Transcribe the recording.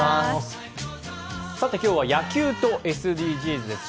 今日は野球とＳＤＧｓです。